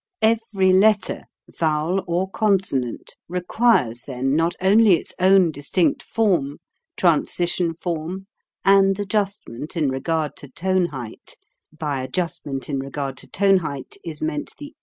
Every letter, vowel, or consonant requires then not only its own distinct form, transition form, and adjustment in regard to tone height by adjustment in regard to tone height is meant PRONUNCIATION.